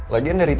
lagian dari tadi